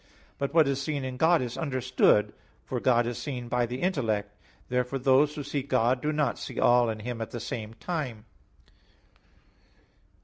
But what is seen in God, is understood; for God is seen by the intellect. Therefore those who see God do not see all in Him at the same time. Obj.